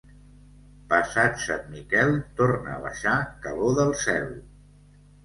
Passat Sant Miquel, torna a baixar calor del cel.